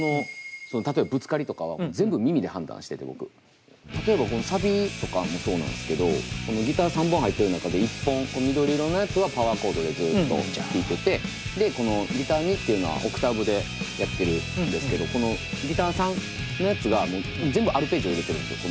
何かある程度の例えばこのサビとかもそうなんですけどギター３本入ってる中で１本緑色のやつはパワーコードでずっと弾いててでこのこのギター２っていうのはオクターブでやってるんですけどこのギター３のやつが全部アルペジオ入れてるんですよ